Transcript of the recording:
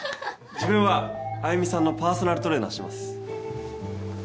自分は歩美さんのパーソナルトレーナーしてます。